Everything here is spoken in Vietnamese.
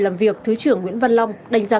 làm việc thứ trưởng nguyễn văn long đánh giá